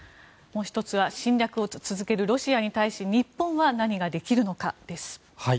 もう１つは侵略を続けるロシアに対して日本は何ができるのかです。